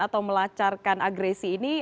atau melacarkan agresi ini